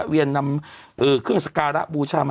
สวัสดีครับคุณผู้ชม